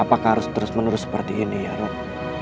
apakah harus terus menerus seperti ini ya rob